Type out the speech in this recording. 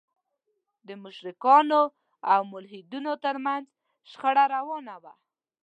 د مشرکانو او موحدینو تر منځ شخړه روانه وه.